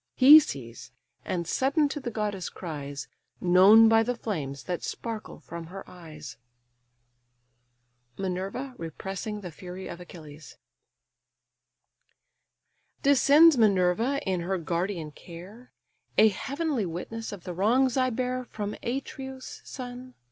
He sees, and sudden to the goddess cries, Known by the flames that sparkle from her eyes: MINERVA REPRESSING THE FURY OF ACHILLES "Descends Minerva, in her guardian care, A heavenly witness of the wrongs I bear From Atreus' son?